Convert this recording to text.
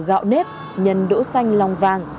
gạo nếp nhân đỗ xanh long vàng